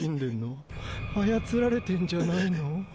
操られてんじゃないの？！